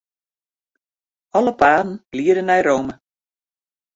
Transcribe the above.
Alle paden liede nei Rome.